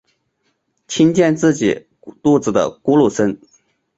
听见自己肚子的咕噜声